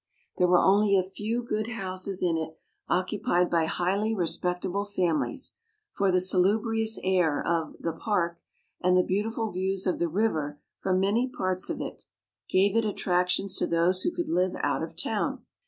There were only a few good houses in it, occupied by highly respectable families, for the salubrious air of "the Park," and the beautiful views of the river from many parts of it, gave it attractions to those who could live out of town.